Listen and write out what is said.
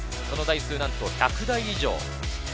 その台数なんと１００台以上。